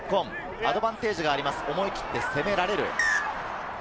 アドバンテージがあります、思い切って攻められる。